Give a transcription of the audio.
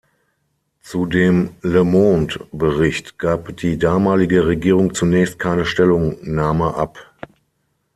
Zu dem „Le Monde“-Bericht gab die damalige Regierung zunächst keine Stellungnahme ab.